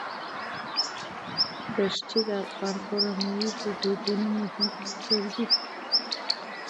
ښتې د افغان کورنیو د دودونو مهم عنصر دی.